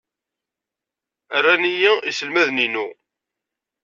Ran-iyi yiselmaden-inu.